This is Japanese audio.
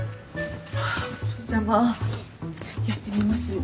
それじゃまあやってみます。